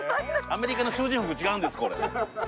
アメリカの囚人服違うんですこれ。